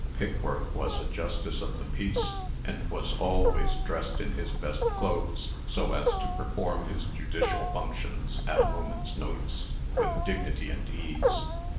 Pigworth was a justice of the peace, and was always dressed in his best clothes, so as to perform his judicial functions at a moments notice, with dignity and ease.